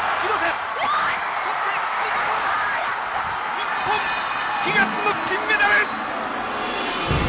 日本、悲願の金メダル！